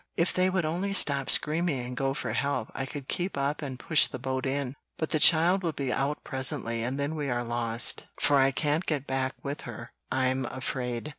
"If they would only stop screaming and go for help, I could keep up and push the boat in; but the child will be out presently and then we are lost, for I can't get back with her, I'm afraid."